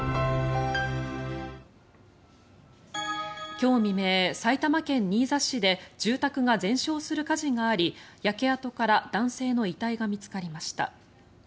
今日未明、埼玉県新座市で住宅が全焼する火事があり焼け跡から男性の遺体が見つかりました。